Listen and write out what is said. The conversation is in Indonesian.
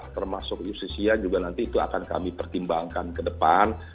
termasuk yusitia juga nanti akan kami pertimbangkan ke depan